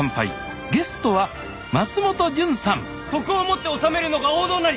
徳をもって治めるのが王道なり！